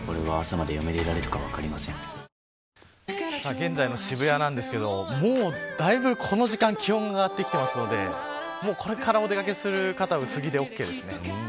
現在の渋谷ですがもうだいぶこの時間気温が上がってきていますのでこれからお出掛けする方は薄着でオーケーです。